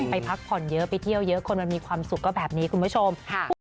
พักผ่อนเยอะไปเที่ยวเยอะคนมันมีความสุขก็แบบนี้คุณผู้ชม